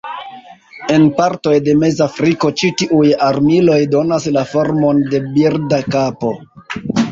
En partoj de Mezafriko ĉi tiuj armiloj donas la formon de birda kapo.